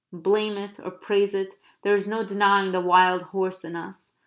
Blame it or praise it, there is no denying the wild horse in us.